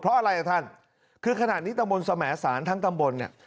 เพราะอะไรอ่ะท่านคือขนาดนี้ตำบลสมสารทั้งตำบลเนี่ย